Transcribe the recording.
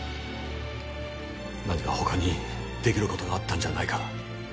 何か他にできることがあったんじゃないか